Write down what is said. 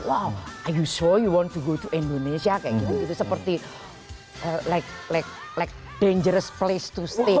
wow are you sure you want to go to indonesia kayak gitu gitu seperti like dangerous place to stay